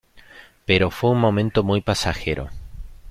Pero fue un momento muy pasajero.